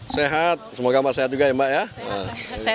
sehat semoga pak sehat juga ya mbak